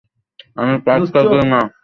আমি পাত্তা দিই না।